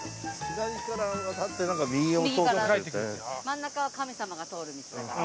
真ん中は神様が通る道だから。